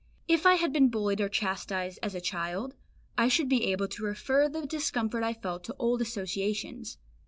If I had been bullied or chastised as a child, I should be able to refer the discomfort I felt to old associations.